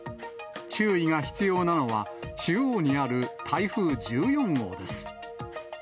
注意が必要なのは、中央にある台風１４号です。